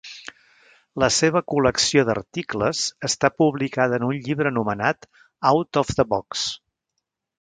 La seva col·lecció d'articles està publicada en un llibre anomenat Out of the Box.